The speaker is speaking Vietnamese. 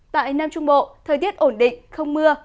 tại nam trung bộ thời tiết ổn định không mưa